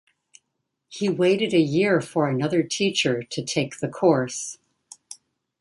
He waited a year for another teacher to take the course.